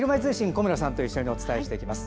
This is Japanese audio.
小村さんと一緒にお伝えします。